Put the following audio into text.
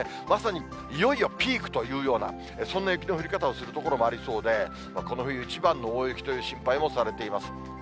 まさにいよいよピークというような、そんな雪の降り方をする所もありそうで、この冬一番の大雪という心配もされています。